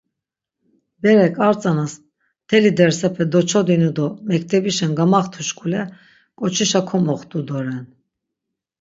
Berek ar tzanas mteli dersepe doçodinu do mektebişen gamaxtuşkule ǩoçişa komoxtu doren.